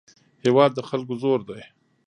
هېواد د خلکو زور دی.